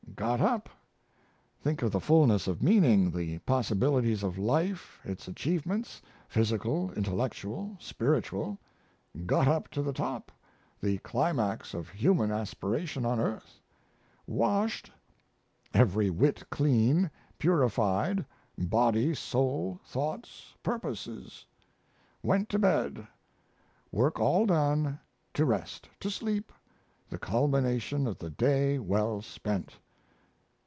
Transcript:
"Got up!" Think of the fullness of meaning! The possibilities of life, its achievements physical, intellectual, spiritual. Got up to the top! the climax of human aspiration on earth! "Washed" Every whit clean; purified body, soul, thoughts, purposes. "Went to bed" Work all done to rest, to sleep. The culmination of the day well spent!